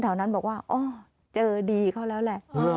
แถวนั้นบอกว่าอ๋อเจอดีเขาแล้วแหละ